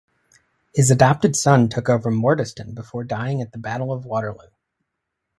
His adopted son took over Murdostoun before dying at the Battle of Waterloo.